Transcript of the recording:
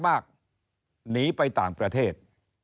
หนีไปต่างประเทศ